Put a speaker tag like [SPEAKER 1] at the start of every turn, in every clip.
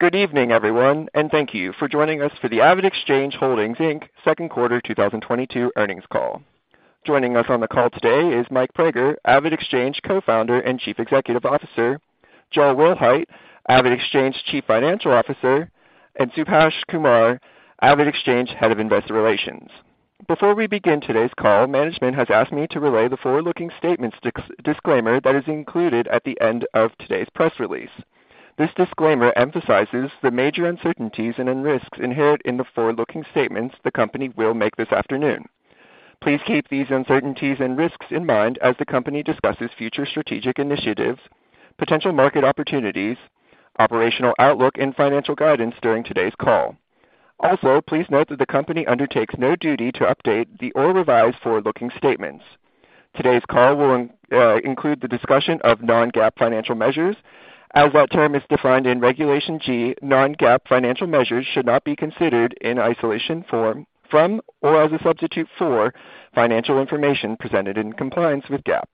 [SPEAKER 1] Good evening, everyone, and thank you for joining us for the AvidXchange Holdings, Inc. second quarter 2022 earnings call. Joining us on the call today is Mike Praeger, AvidXchange Co-founder and Chief Executive Officer, Joel Wilhite, AvidXchange Chief Financial Officer, and Subhaash Kumar, AvidXchange Head of Investor Relations. Before we begin today's call, management has asked me to relay the forward-looking statements disclaimer that is included at the end of today's press release. This disclaimer emphasizes the major uncertainties and risks inherent in the forward-looking statements the company will make this afternoon. Please keep these uncertainties and risks in mind as the company discusses future strategic initiatives, potential market opportunities, operational outlook, and financial guidance during today's call. Also, please note that the company undertakes no duty to update or revise forward-looking statements. Today's call will include the discussion of non-GAAP financial measures. As that term is defined in Regulation G, non-GAAP financial measures should not be considered in isolation from or as a substitute for financial information presented in compliance with GAAP.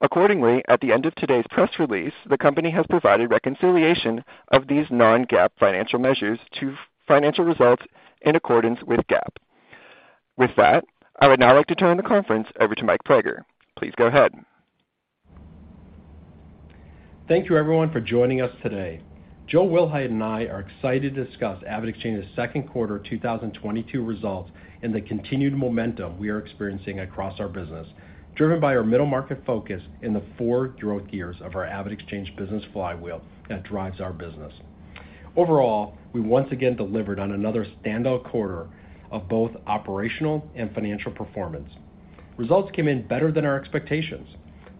[SPEAKER 1] Accordingly, at the end of today's press release, the company has provided reconciliation of these non-GAAP financial measures to financial results in accordance with GAAP. With that, I would now like to turn the conference over to Mike Praeger. Please go ahead.
[SPEAKER 2] Thank you everyone for joining us today. Joel Wilhite and I are excited to discuss AvidXchange's second quarter 2022 results and the continued momentum we are experiencing across our business, driven by our middle market focus in the four growth pillars of our AvidXchange business flywheel that drives our business. Overall, we once again delivered on another standout quarter of both operational and financial performance. Results came in better than our expectations.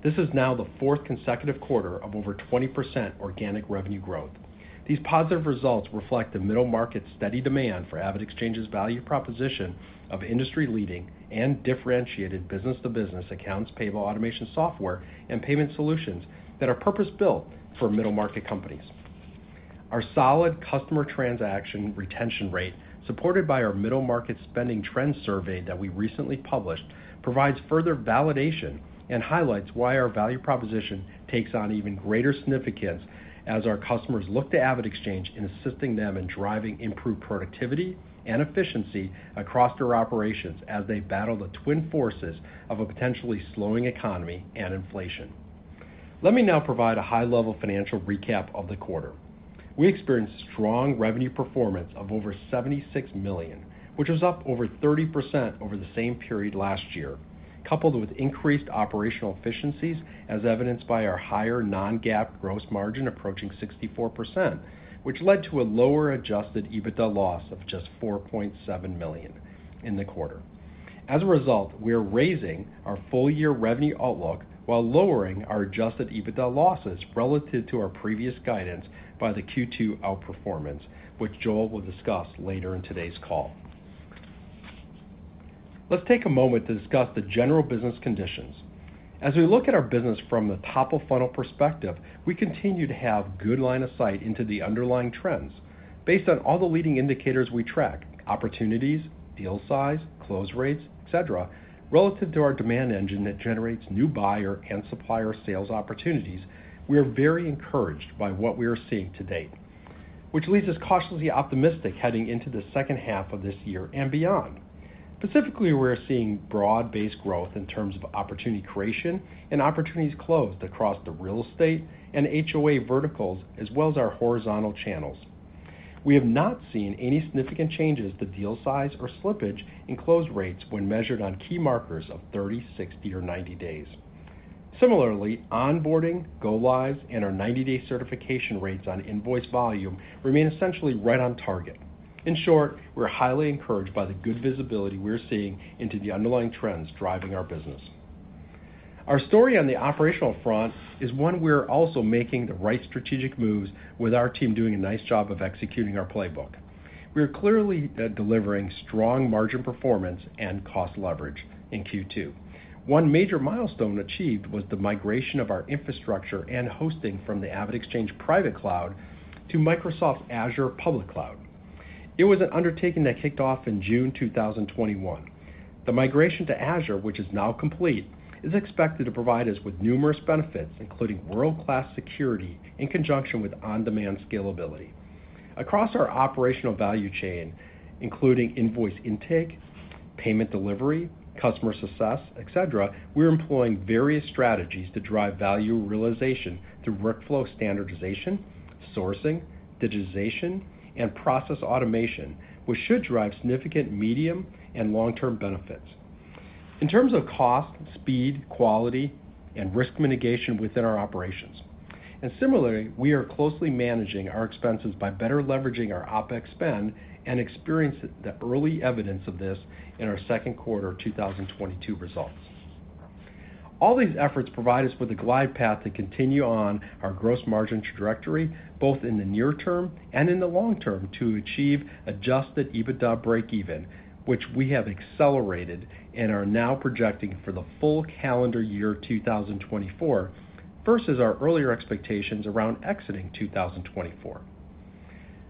[SPEAKER 2] This is now the fourth consecutive quarter of over 20% organic revenue growth. These positive results reflect the middle market's steady demand for AvidXchange's value proposition of industry-leading and differentiated business-to-business accounts payable automation software and payment solutions that are purpose-built for middle market companies. Our solid customer transaction retention rate, supported by our middle market spending trend survey that we recently published, provides further validation and highlights why our value proposition takes on even greater significance as our customers look to AvidXchange in assisting them in driving improved productivity and efficiency across their operations as they battle the twin forces of a potentially slowing economy and inflation. Let me now provide a high-level financial recap of the quarter. We experienced strong revenue performance of over $76 million, which was up over 30% over the same period last year, coupled with increased operational efficiencies as evidenced by our higher non-GAAP gross margin approaching 64%, which led to a lower adjusted EBITDA loss of just $4.7 million in the quarter. As a result, we are raising our full year revenue outlook while lowering our adjusted EBITDA losses relative to our previous guidance by the Q2 outperformance, which Joel will discuss later in today's call. Let's take a moment to discuss the general business conditions. As we look at our business from the top of funnel perspective, we continue to have good line of sight into the underlying trends based on all the leading indicators we track, opportunities, deal size, close rates, et cetera, relative to our demand engine that generates new buyer and supplier sales opportunities. We are very encouraged by what we are seeing to date, which leaves us cautiously optimistic heading into the second half of this year and beyond. Specifically, we're seeing broad-based growth in terms of opportunity creation and opportunities closed across the real estate and HOA verticals, as well as our horizontal channels. We have not seen any significant changes to deal size or slippage in close rates when measured on key markers of 30, 60, or 90 days. Similarly, onboarding, go lives, and our 90-day certification rates on invoice volume remain essentially right on target. In short, we're highly encouraged by the good visibility we're seeing into the underlying trends driving our business. Our story on the operational front is one we're also making the right strategic moves with our team doing a nice job of executing our playbook. We are clearly delivering strong margin performance and cost leverage in Q2. One major milestone achieved was the migration of our infrastructure and hosting from the AvidXchange private cloud to Microsoft Azure public cloud. It was an undertaking that kicked off in June 2021. The migration to Azure, which is now complete, is expected to provide us with numerous benefits, including world-class security in conjunction with on-demand scalability. Across our operational value chain, including invoice intake, payment delivery, customer success, et cetera, we're employing various strategies to drive value realization through workflow standardization, sourcing, digitization, and process automation, which should drive significant medium and long-term benefits in terms of cost, speed, quality, and risk mitigation within our operations. Similarly, we are closely managing our expenses by better leveraging our OpEx spend and experiencing the early evidence of this in our second quarter 2022 results. All these efforts provide us with a glide path to continue on our gross margin trajectory, both in the near term and in the long term, to achieve adjusted EBITDA breakeven, which we have accelerated and are now projecting for the full calendar year 2024 versus our earlier expectations around exiting 2024.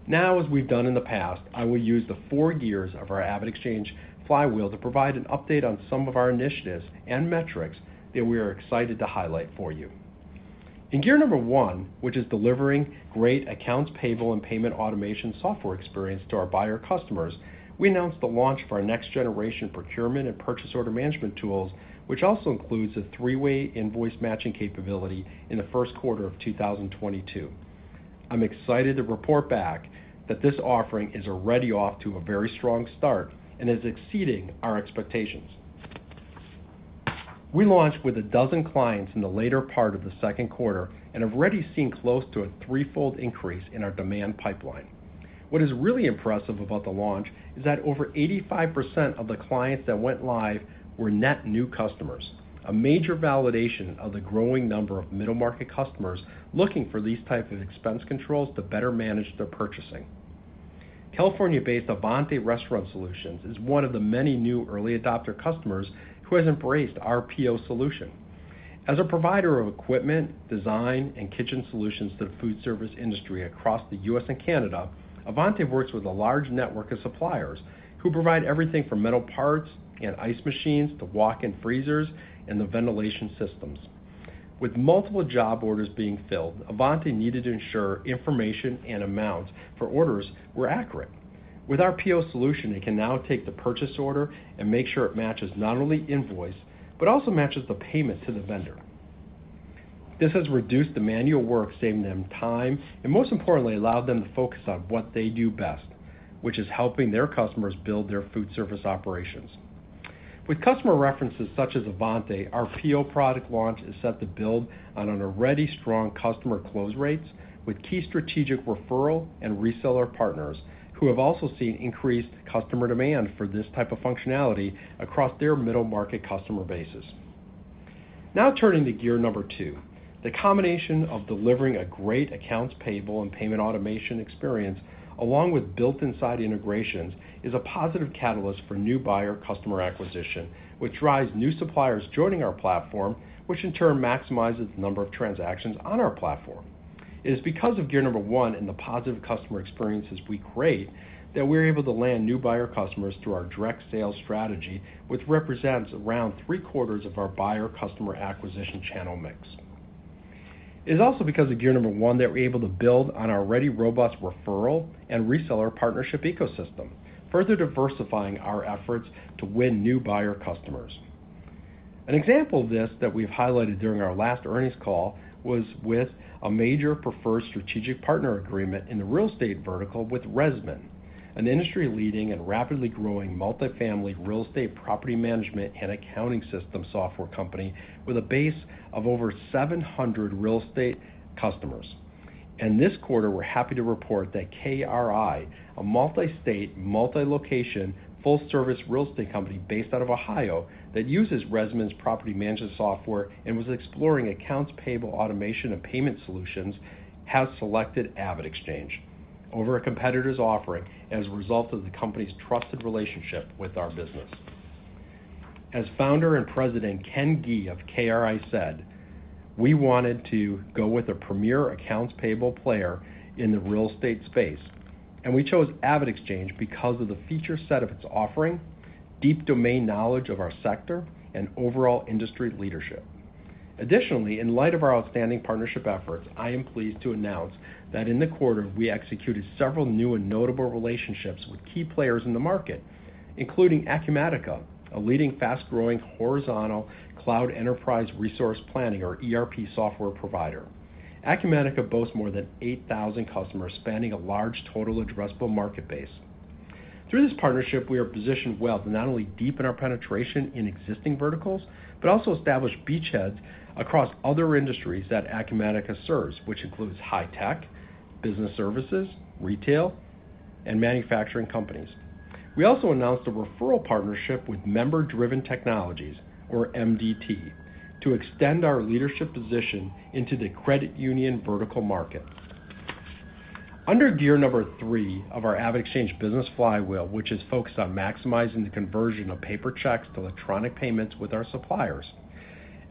[SPEAKER 2] Now, as we've done in the past, I will use the four gears of our AvidXchange flywheel to provide an update on some of our initiatives and metrics that we are excited to highlight for you. In gear number one, which is delivering great accounts payable and payment automation software experience to our buyer customers, we announced the launch of our next generation procurement and purchase order management tools, which also includes a three-way invoice matching capability in the first quarter of 2022. I'm excited to report back that this offering is already off to a very strong start and is exceeding our expectations. We launched with 12 clients in the later part of the second quarter and have already seen close to a threefold increase in our demand pipeline. What is really impressive about the launch is that over 85% of the clients that went live were net new customers, a major validation of the growing number of middle-market customers looking for these types of expense controls to better manage their purchasing. California-based Avanti Restaurant Solutions is one of the many new early adopter customers who has embraced our PO solution. As a provider of equipment, design, and kitchen solutions to the food service industry across the U.S. and Canada, Avanti works with a large network of suppliers who provide everything from metal parts and ice machines to walk-in freezers and the ventilation systems. With multiple job orders being filled, Avanti needed to ensure information and amounts for orders were accurate. With our PO solution, they can now take the purchase order and make sure it matches not only invoice, but also matches the payment to the vendor. This has reduced the manual work, saving them time, and most importantly, allowed them to focus on what they do best, which is helping their customers build their food service operations. With customer references such as Avanti, our PO product launch is set to build on an already strong customer close rates with key strategic referral and reseller partners who have also seen increased customer demand for this type of functionality across their middle-market customer bases. Now turning to gear number two, the combination of delivering a great accounts payable and payment automation experience along with built-in integrations is a positive catalyst for new buyer customer acquisition, which drives new suppliers joining our platform, which in turn maximizes the number of transactions on our platform. It is because of gear number one and the positive customer experiences we create that we're able to land new buyer customers through our direct sales strategy, which represents around 3/4 of our buyer customer acquisition channel mix. It is also because of gear number one that we're able to build on our already robust referral and reseller partnership ecosystem, further diversifying our efforts to win new buyer customers. An example of this that we've highlighted during our last earnings call was with a major preferred strategic partner agreement in the real estate vertical with ResMan, an industry-leading and rapidly growing multifamily real estate property management and accounting system software company with a base of over 700 real estate customers. This quarter, we're happy to report that KRI, a multi-state, multi-location, full-service real estate company based out of Ohio that uses ResMan's property management software and was exploring accounts payable automation and payment solutions, has selected AvidXchange over a competitor's offering as a result of the company's trusted relationship with our business. As Founder and President Ken Gee of KRI said, "We wanted to go with a premier accounts payable player in the real estate space, and we chose AvidXchange because of the feature set of its offering, deep domain knowledge of our sector, and overall industry leadership." Additionally, in light of our outstanding partnership efforts, I am pleased to announce that in the quarter, we executed several new and notable relationships with key players in the market, including Acumatica, a leading fast-growing horizontal cloud enterprise resource planning or ERP software provider. Acumatica boasts more than 8,000 customers spanning a large total addressable market base. Through this partnership, we are positioned well to not only deepen our penetration in existing verticals, but also establish beachheads across other industries that Acumatica serves, which includes high tech, business services, retail, and manufacturing companies. We also announced a referral partnership with Member Driven Technologies, or MDT, to extend our leadership position into the credit union vertical market. Under gear number three of our AvidXchange business flywheel, which is focused on maximizing the conversion of paper checks to electronic payments with our suppliers.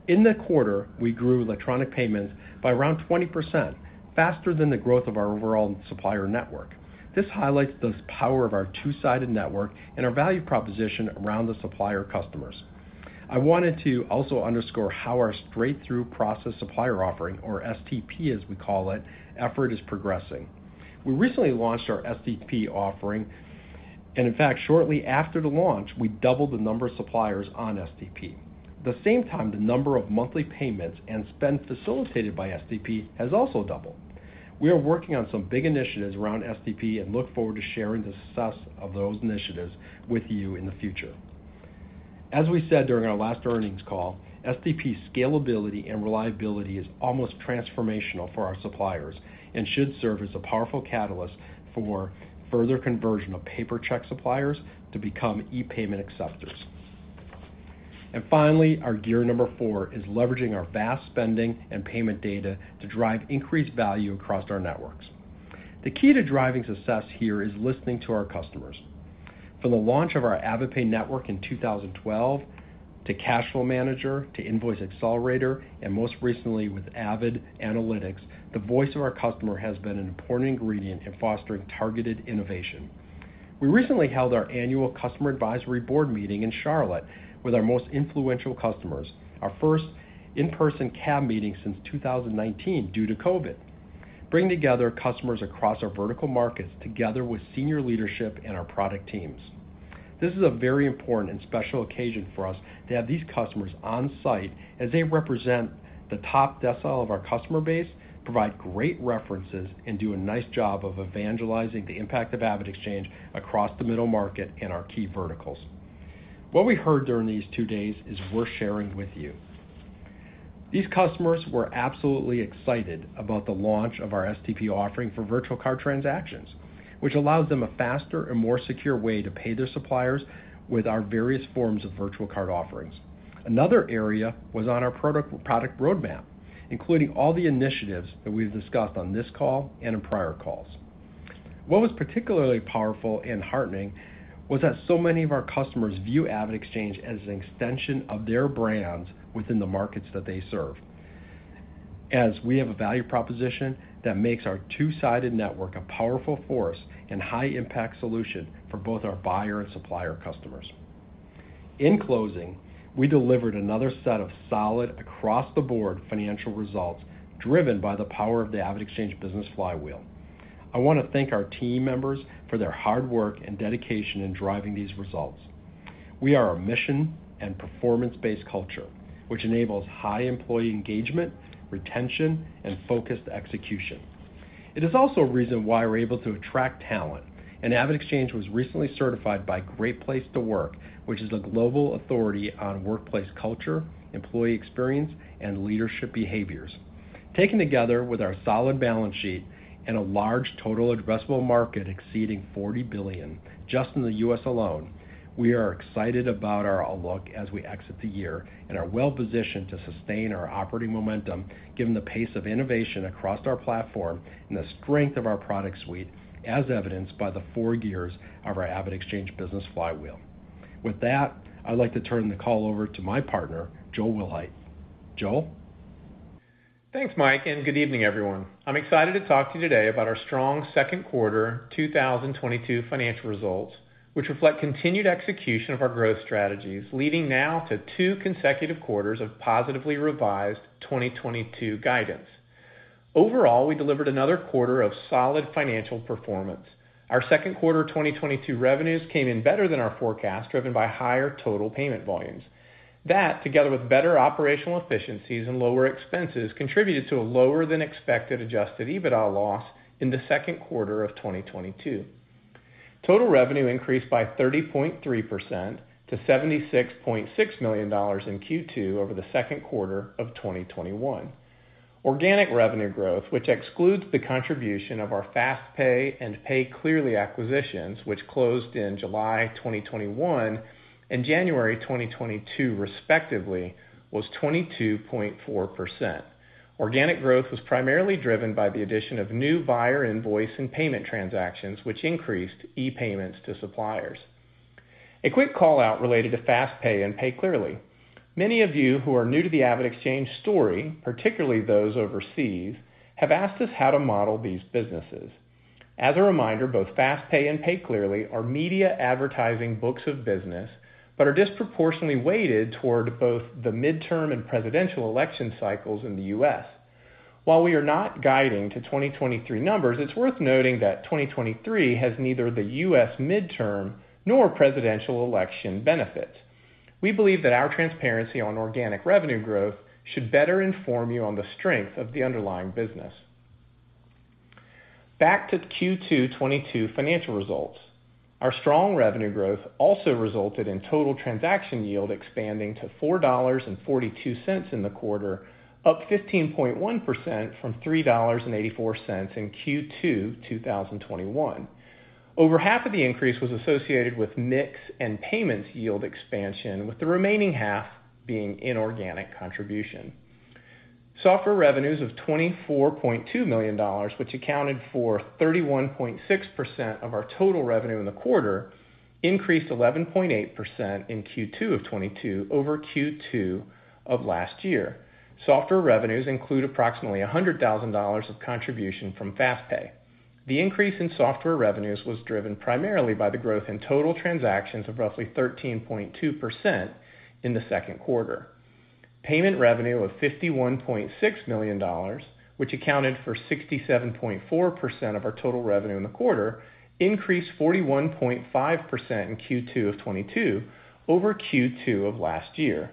[SPEAKER 2] In the quarter, we grew electronic payments by around 20% faster than the growth of our overall supplier network. This highlights the power of our two-sided network and our value proposition around the supplier customers. I wanted to also underscore how our Straight Through Processing supplier offering, or STP as we call it, effort is progressing. We recently launched our STP offering, and in fact, shortly after the launch, we doubled the number of suppliers on STP. At the same time, the number of monthly payments and spend facilitated by STP has also doubled. We are working on some big initiatives around STP and look forward to sharing the success of those initiatives with you in the future. As we said during our last earnings call, STP scalability and reliability is almost transformational for our suppliers and should serve as a powerful catalyst for further conversion of paper check suppliers to become e-payment acceptors. Finally, our gear number four is leveraging our vast spending and payment data to drive increased value across our networks. The key to driving success here is listening to our customers. From the launch of our AvidPay Network in 2012, to Cashflow Manager, to Invoice Accelerator, and most recently with AvidAnalytics, the voice of our customer has been an important ingredient in fostering targeted innovation. We recently held our annual customer advisory board meeting in Charlotte with our most influential customers, our first in-person CAB meeting since 2019 due to COVID, bringing together customers across our vertical markets together with senior leadership and our product teams. This is a very important and special occasion for us to have these customers on site as they represent the top decile of our customer base, provide great references, and do a nice job of evangelizing the impact of AvidXchange across the middle market and our key verticals. What we heard during these two days is worth sharing with you. These customers were absolutely excited about the launch of our STP offering for virtual card transactions, which allows them a faster and more secure way to pay their suppliers with our various forms of virtual card offerings. Another area was on our product roadmap, including all the initiatives that we've discussed on this call and in prior calls. What was particularly powerful and heartening was that so many of our customers view AvidXchange as an extension of their brands within the markets that they serve, as we have a value proposition that makes our two-sided network a powerful force and high impact solution for both our buyer and supplier customers. In closing, we delivered another set of solid across-the-board financial results driven by the power of the AvidXchange business flywheel. I wanna thank our team members for their hard work and dedication in driving these results. We are a mission and performance-based culture, which enables high employee engagement, retention, and focused execution. It is also a reason why we're able to attract talent, and AvidXchange was recently certified by Great Place to Work, which is a global authority on workplace culture, employee experience, and leadership behaviors. Taken together with our solid balance sheet and a large total addressable market exceeding $40 billion just in the U.S. alone, we are excited about our outlook as we exit the year and are well-positioned to sustain our operating momentum given the pace of innovation across our platform and the strength of our product suite as evidenced by the four gears of our AvidXchange business flywheel. With that, I'd like to turn the call over to my partner, Joel Wilhite. Joel?
[SPEAKER 3] Thanks, Mike, and good evening, everyone. I'm excited to talk to you today about our strong second quarter 2022 financial results, which reflect continued execution of our growth strategies, leading now to two consecutive quarters of positively revised 2022 guidance. Overall, we delivered another quarter of solid financial performance. Our second quarter 2022 revenues came in better than our forecast, driven by higher total payment volumes. That, together with better operational efficiencies and lower expenses, contributed to a lower than expected adjusted EBITDA loss in the second quarter of 2022. Total revenue increased by 30.3% to $76.6 million in Q2 over the second quarter of 2021. Organic revenue growth, which excludes the contribution of our FastPay and PayClearly acquisitions, which closed in July 2021 and January 2022 respectively, was 22.4%. Organic growth was primarily driven by the addition of new buyer invoice and payment transactions, which increased e-payments to suppliers. A quick call-out related to FastPay and PayClearly. Many of you who are new to the AvidXchange story, particularly those overseas, have asked us how to model these businesses. As a reminder, both FastPay and PayClearly are media advertising books of business, but are disproportionately weighted toward both the midterm and presidential election cycles in the U.S.. While we are not guiding to 2023 numbers, it's worth noting that 2023 has neither the U.S. midterm nor presidential election benefit. We believe that our transparency on organic revenue growth should better inform you on the strength of the underlying business. Back to Q2 2022 financial results. Our strong revenue growth also resulted in total transaction yield expanding to $4.42 in the quarter, up 15.1% from $3.84 in Q2 2021. Over half of the increase was associated with mix and payments yield expansion, with the remaining half being inorganic contribution. Software revenues of $24.2 million, which accounted for 31.6% of our total revenue in the quarter, increased 11.8% in Q2 2022 over Q2 of last year. Software revenues include approximately $100,000 of contribution from FastPay. The increase in software revenues was driven primarily by the growth in total transactions of roughly 13.2% in the second quarter. Payment revenue of $51.6 million, which accounted for 67.4% of our total revenue in the quarter, increased 41.5% in Q2 of 2022 over Q2 of last year.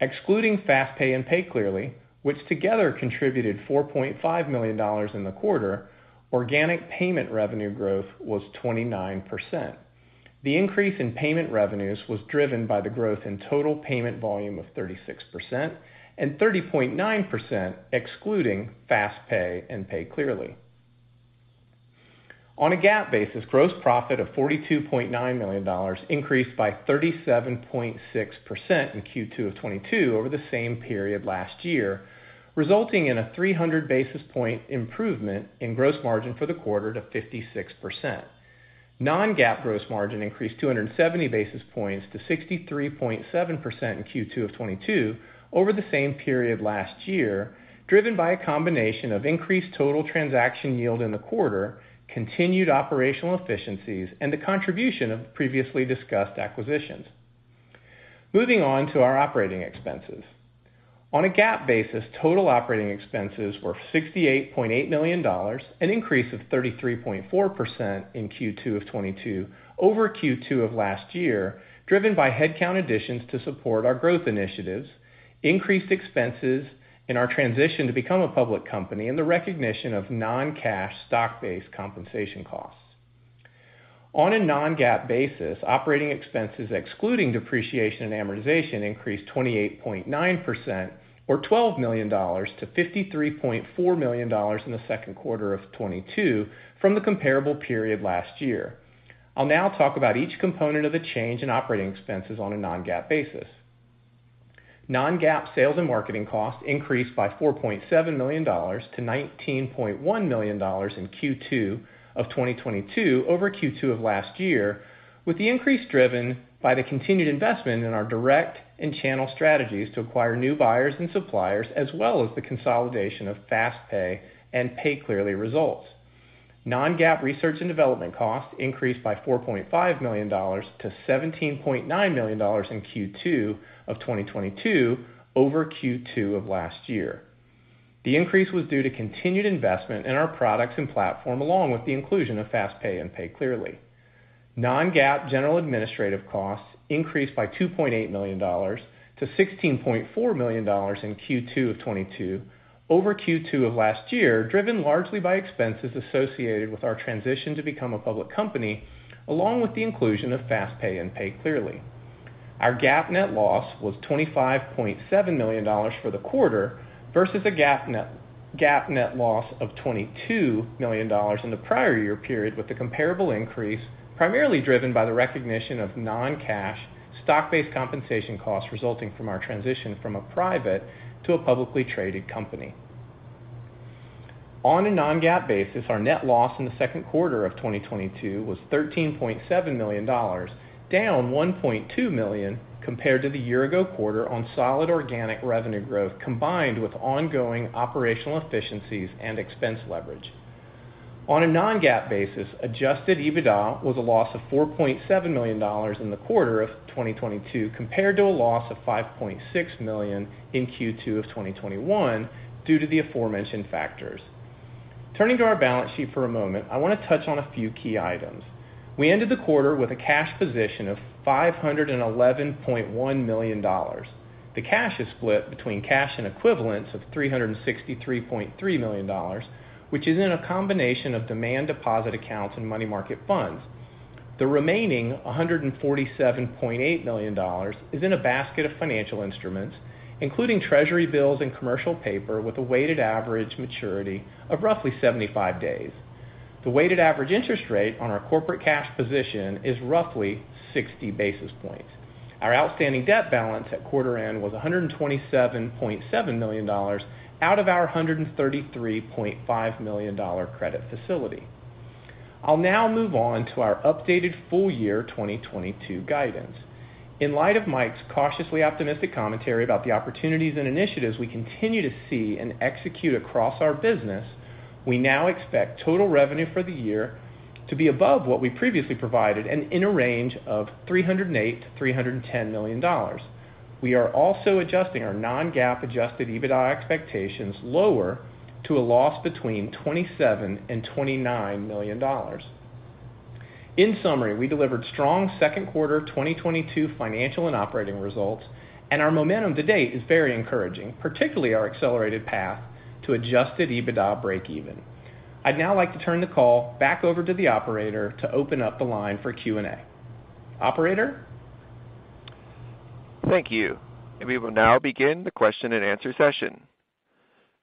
[SPEAKER 3] Excluding FastPay and PayClearly, which together contributed $4.5 million in the quarter, organic payment revenue growth was 29%. The increase in payment revenues was driven by the growth in total payment volume of 36% and 30.9% excluding FastPay and PayClearly. On a GAAP basis, gross profit of $42.9 million increased by 37.6% in Q2 of 2022 over the same period last year, resulting in a 300 basis point improvement in gross margin for the quarter to 56%. Non-GAAP gross margin increased 270 basis points to 63.7% in Q2 of 2022 over the same period last year, driven by a combination of increased total transaction yield in the quarter, continued operational efficiencies, and the contribution of previously discussed acquisitions. Moving on to our operating expenses. On a GAAP basis, total operating expenses were $68.8 million, an increase of 33.4% in Q2 of 2022 over Q2 of last year, driven by headcount additions to support our growth initiatives, increased expenses in our transition to become a public company, and the recognition of non-cash stock-based compensation costs. On a non-GAAP basis, operating expenses excluding depreciation and amortization increased 28.9% or $12 million to $53.4 million in the second quarter of 2022 from the comparable period last year. I'll now talk about each component of the change in operating expenses on a non-GAAP basis. Non-GAAP sales and marketing costs increased by $4.7 million to $19.1 million in Q2 2022 over Q2 of last year, with the increase driven by the continued investment in our direct and channel strategies to acquire new buyers and suppliers, as well as the consolidation of FastPay and PayClearly results. Non-GAAP research and development costs increased by $4.5 million to $17.9 million in Q2 2022 over Q2 of last year. The increase was due to continued investment in our products and platform, along with the inclusion of FastPay and PayClearly. Non-GAAP general administrative costs increased by $2.8 million to $16.4 million in Q2 of 2022 over Q2 of last year, driven largely by expenses associated with our transition to become a public company, along with the inclusion of FastPay and PayClearly. Our GAAP net loss was $25.7 million for the quarter versus a GAAP net loss of $22 million in the prior year period, with the comparable increase primarily driven by the recognition of non-cash stock-based compensation costs resulting from our transition from a private to a publicly traded company. On a non-GAAP basis, our net loss in the second quarter of 2022 was $13.7 million, down $1.2 million compared to the year ago quarter on solid organic revenue growth, combined with ongoing operational efficiencies and expense leverage. On a non-GAAP basis, adjusted EBITDA was a loss of $4.7 million in the quarter of 2022 compared to a loss of $5.6 million in Q2 of 2021 due to the aforementioned factors. Turning to our balance sheet for a moment, I wanna touch on a few key items. We ended the quarter with a cash position of $511.1 million. The cash is split between cash and equivalents of $363.3 million, which is in a combination of demand deposit accounts and money market funds. The remaining $147.8 million is in a basket of financial instruments, including treasury bills and commercial paper, with a weighted average maturity of roughly 75 days. The weighted average interest rate on our corporate cash position is roughly 60 basis points. Our outstanding debt balance at quarter end was $127.7 million out of our $133.5 million credit facility. I'll now move on to our updated full year 2022 guidance. In light of Mike's cautiously optimistic commentary about the opportunities and initiatives we continue to see and execute across our business, we now expect total revenue for the year to be above what we previously provided and in a range of $308 million-$310 million. We are also adjusting our non-GAAP adjusted EBITDA expectations lower to a loss between $27 million and $29 million. In summary, we delivered strong second quarter of 2022 financial and operating results, and our momentum to date is very encouraging, particularly our accelerated path to adjusted EBITDA breakeven. I'd now like to turn the call back over to the operator to open up the line for Q&A. Operator?
[SPEAKER 1] Thank you. We will now begin the question-and-answer session.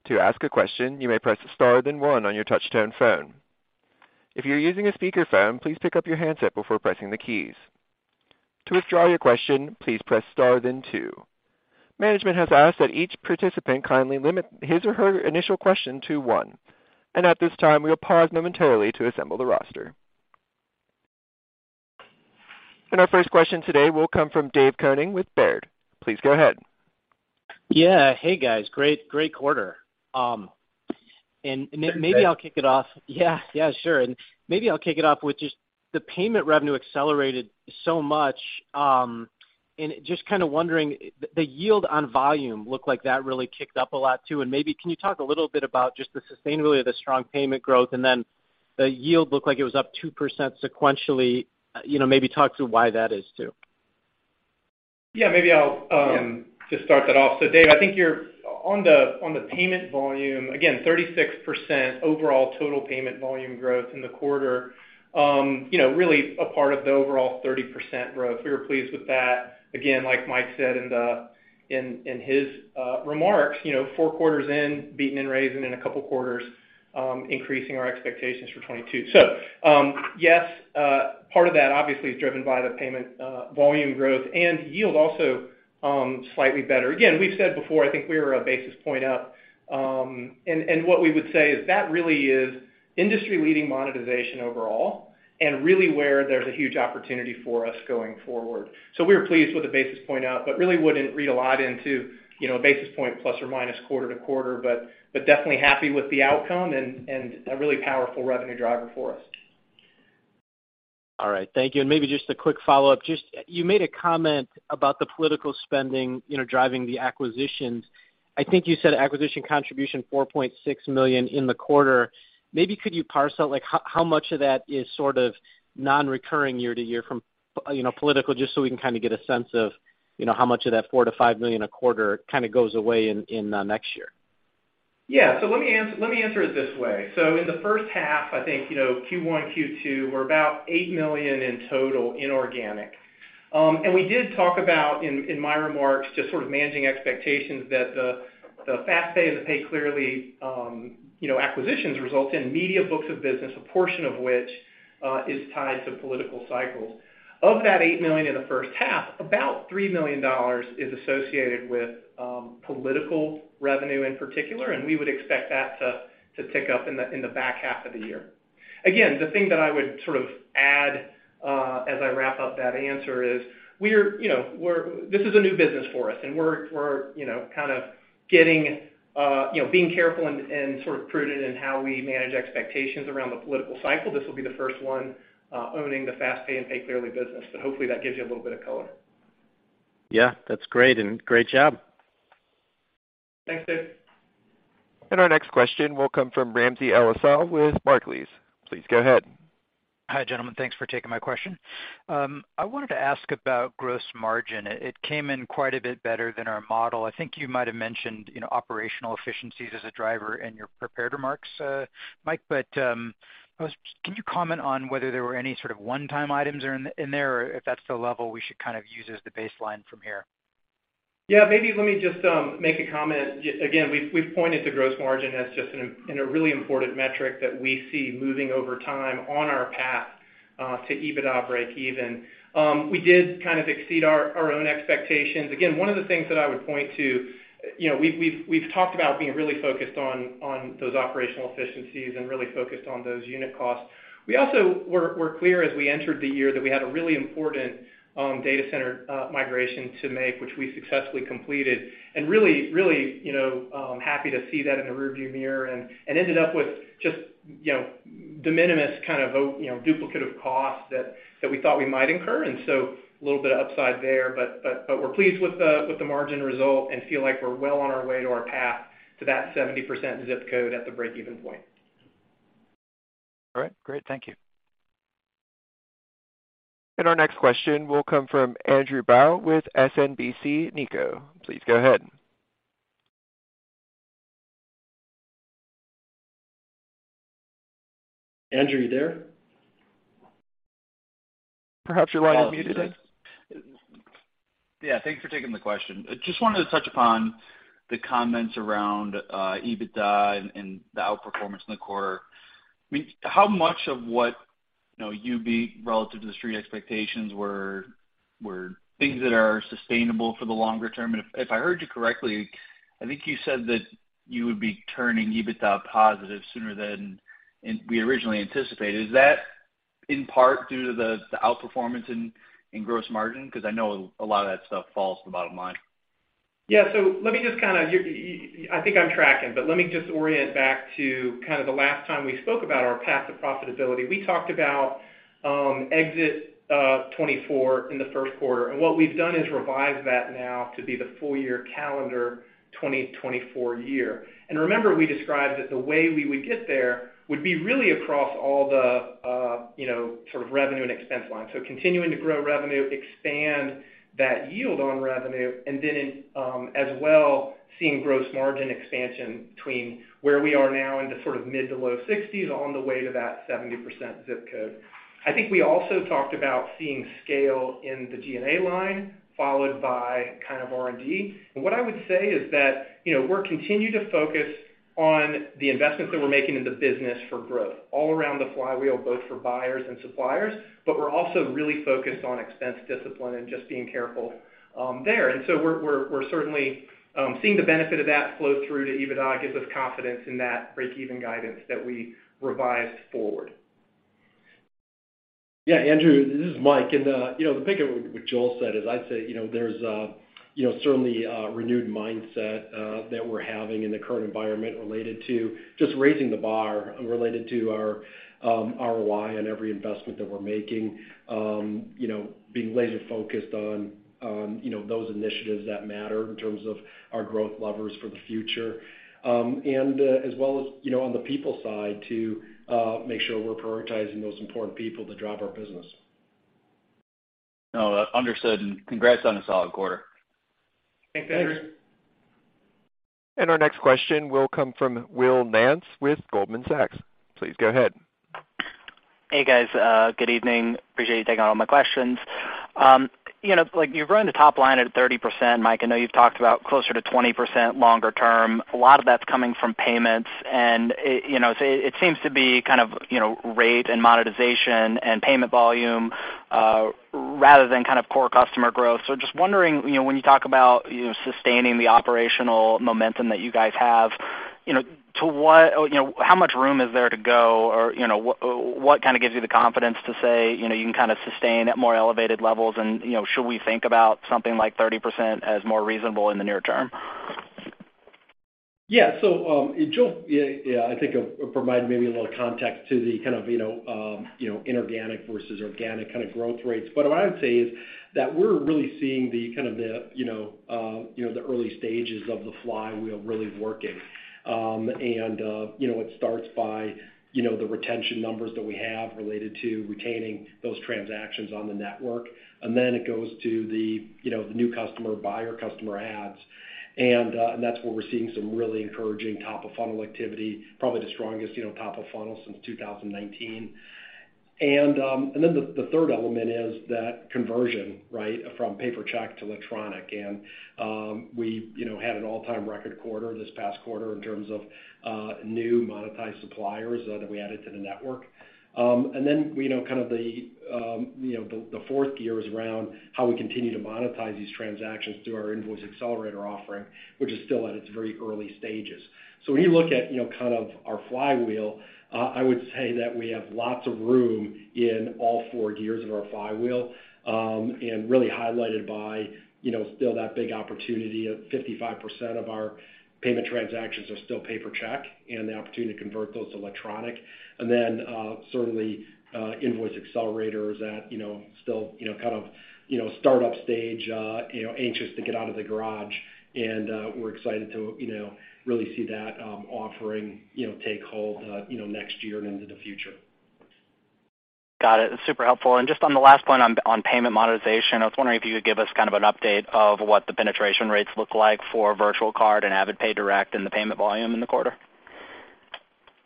[SPEAKER 1] To ask a question, you may press star then one on your touch-tone phone. If you're using a speakerphone, please pick up your handset before pressing the keys. To withdraw your question, please press star then two. Management has asked that each participant kindly limit his or her initial question to one. At this time, we'll pause momentarily to assemble the roster. Our first question today will come from Dave Koning with Baird. Please go ahead.
[SPEAKER 4] Yeah. Hey, guys. Great quarter. Maybe I'll kick it off.
[SPEAKER 3] Hey, Dave.
[SPEAKER 4] Yeah. Yeah, sure. Maybe I'll kick it off with just the payment revenue accelerated so much, and just kinda wondering, the yield on volume looked like that really kicked up a lot too, and maybe can you talk a little bit about just the sustainability of the strong payment growth and then the yield looked like it was up 2% sequentially, you know, maybe talk to why that is too?
[SPEAKER 3] Yeah, maybe I'll just start that off. Dave, I think you're on the payment volume, again, 36% overall total payment volume growth in the quarter, really a part of the overall 30% growth. We were pleased with that. Again, like Mike said in his remarks, four quarters in, beating and raising in a couple quarters, increasing our expectations for 2022. Yes, part of that obviously is driven by the payment volume growth and yield also, slightly better. Again, we've said before, I think we were a basis point up, and what we would say is that really is industry-leading monetization overall and really where there's a huge opportunity for us going forward. We're pleased with the basis point out, but really wouldn't read a lot into, you know, a basis point plus or minus quarter to quarter, but definitely happy with the outcome and a really powerful revenue driver for us.
[SPEAKER 4] All right. Thank you. Maybe just a quick follow-up. Just, you made a comment about the political spending, you know, driving the acquisitions. I think you said acquisition contribution $4.6 million in the quarter. Maybe could you parse out, like, how much of that is sort of non-recurring year to year from, you know, political, just so we can kinda get a sense of, you know, how much of that $4 million-$5 million a quarter kinda goes away in next year?
[SPEAKER 3] Yeah. Let me answer it this way. In the first half, I think, you know, Q1, Q2 were about $8 million in total inorganic. We did talk about in my remarks just sort of managing expectations that the FastPay and the PayClearly acquisitions result in media books of business, a portion of which is tied to political cycles. Of that $8 million in the first half, about $3 million is associated with political revenue in particular, and we would expect that to tick up in the back half of the year. Again, the thing that I would sort of add as I wrap up that answer is we're, you know, we're. This is a new business for us, and we're you know kind of getting you know being careful and sort of prudent in how we manage expectations around the political cycle. This will be the first one owning the FastPay and PayClearly business, but hopefully that gives you a little bit of color.
[SPEAKER 4] Yeah, that's great and great job.
[SPEAKER 3] Thanks, Dave.
[SPEAKER 1] Our next question will come from Ramsey El-Assal with Barclays. Please go ahead.
[SPEAKER 5] Hi, gentlemen. Thanks for taking my question. I wanted to ask about gross margin. It came in quite a bit better than our model. I think you might have mentioned, you know, operational efficiencies as a driver in your prepared remarks, Mike. Can you comment on whether there were any sort of one-time items in there, or if that's the level we should kind of use as the baseline from here?
[SPEAKER 3] Yeah, maybe let me just make a comment. Again, we've pointed to gross margin as just an, you know, really important metric that we see moving over time on our path to EBITDA breakeven. We did kind of exceed our own expectations. Again, one of the things that I would point to, you know, we've talked about being really focused on those operational efficiencies and really focused on those unit costs. We also were clear as we entered the year that we had a really important data center migration to make, which we successfully completed. Really happy to see that in the rearview mirror and ended up with just, you know, de minimis kind of you know, duplicative costs that we thought we might incur, and so a little bit of upside there. We're pleased with the margin result and feel like we're well on our way to our path to that 70% zip code at the breakeven point.
[SPEAKER 5] All right. Great. Thank you.
[SPEAKER 1] Our next question will come from Andrew Bauch with SMBC Nikko. Please go ahead.
[SPEAKER 3] Andrew, are you there?
[SPEAKER 1] Perhaps you're muted.
[SPEAKER 6] Yeah. Thanks for taking the question. Just wanted to touch upon the comments around EBITDA and the outperformance in the quarter. I mean, how much of what, you know, you beat relative to the Street expectations were things that are sustainable for the longer term? If I heard you correctly, I think you said that you would be turning EBITDA positive sooner than we originally anticipated. Is that in part due to the outperformance in gross margin? Cause I know a lot of that stuff falls to the bottom line.
[SPEAKER 3] Yeah. Let me just kind of. I think I'm tracking, but let me just orient back to kind of the last time we spoke about our path to profitability. We talked about exit 2024 in the first quarter. What we've done is revise that now to be the full year calendar 2024 year. Remember, we described that the way we would get there would be really across all the, you know, sort of revenue and expense lines. Continuing to grow revenue, expand that yield on revenue, and then as well, seeing gross margin expansion between where we are now in the sort of mid to low 60s% on the way to that 70% zip code. I think we also talked about seeing scale in the G&A line, followed by kind of R&D. What I would say is that, you know, we continue to focus on the investments that we're making in the business for growth, all around the flywheel, both for buyers and suppliers, but we're also really focused on expense discipline and just being careful there. We're certainly seeing the benefit of that flow through to EBITDA gives us confidence in that breakeven guidance that we revised forward.
[SPEAKER 2] Yeah, Andrew, this is Mike. You know, to piggyback what Joel said is I'd say, you know, there's you know, certainly a renewed mindset that we're having in the current environment related to just raising the bar related to our ROI on every investment that we're making, you know, being laser focused on you know, those initiatives that matter in terms of our growth levers for the future. As well as, you know, on the people side to make sure we're prioritizing those important people to drive our business.
[SPEAKER 6] No, understood, and congrats on a solid quarter.
[SPEAKER 3] Thanks, Andrew.
[SPEAKER 1] Our next question will come from Will Nance with Goldman Sachs. Please go ahead.
[SPEAKER 7] Hey, guys. Good evening. Appreciate you taking all my questions. You know, like, you've grown the top line at 30%, Mike. I know you've talked about closer to 20% longer term. A lot of that's coming from payments, and it, you know, so it seems to be kind of, you know, rate and monetization and payment volume rather than kind of core customer growth. Just wondering, you know, when you talk about, you know, sustaining the operational momentum that you guys have, you know, to what you know how much room is there to go or, you know, what kinda gives you the confidence to say, you know, you can kinda sustain at more elevated levels and, you know, should we think about something like 30% as more reasonable in the near term?
[SPEAKER 2] Yeah. Joel, yeah, I think will provide maybe a little context to the kind of, you know, inorganic versus organic kind of growth rates. What I would say is that we're really seeing the kind of the, you know, the early stages of the flywheel really working. You know, it starts by, you know, the retention numbers that we have related to retaining those transactions on the network, and then it goes to the, you know, the new customer, buyer customer adds. That's where we're seeing some really encouraging top of funnel activity, probably the strongest, you know, top of funnel since 2019. Then the third element is that conversion, right? From paper check to electronic. We, you know, had an all-time record quarter this past quarter in terms of new monetized suppliers that we added to the network. You know, kind of the fourth gear is around how we continue to monetize these transactions through our Invoice Accelerator offering, which is still at its very early stages. When you look at, you know, kind of our flywheel, I would say that we have lots of room in all four gears of our flywheel, and really highlighted by, you know, still that big opportunity of 55% of our payment transactions are still paper check and the opportunity to convert those to electronic. Certainly, Invoice Accelerator at, you know, still, you know, kind of, you know, startup stage, you know, anxious to get out of the garage. We're excited to, you know, really see that offering, you know, take hold, you know, next year and into the future.
[SPEAKER 7] Got it. Super helpful. Just on the last point on payment monetization, I was wondering if you could give us kind of an update of what the penetration rates look like for virtual card and AvidPay Direct and the payment volume in the quarter.